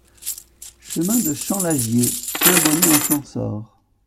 Chemin de Champ Lagier, Saint-Bonnet-en-Champsaur